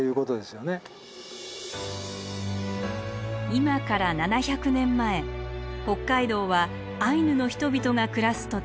今から７００年前北海道はアイヌの人々が暮らす土地でした。